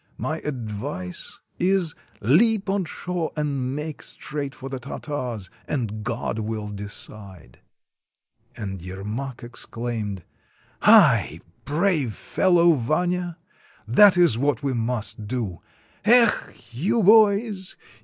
My advice is, leap on shore and make straight for the Tartars — and God will decide." And Yermak exclaimed :— "Ai! brave fellow, Vanya! That is what we must do! Ekh! you boys!